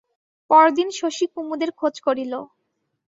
পরদিন শশী কুমুদের খোঁজ করিল।